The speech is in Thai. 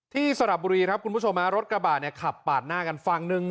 ที่สลับบุรีครับคุณผู้ชมรถกระบาดขับปากหน้ากันฟังหนึ่ง